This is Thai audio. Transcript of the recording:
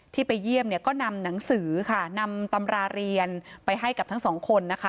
ที่ไปเยี่ยมเนี่ยก็นำหนังสือค่ะนำตำราเรียนไปให้กับทั้งสองคนนะคะ